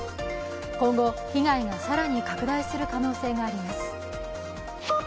今後、被害が更に拡大する可能性があります。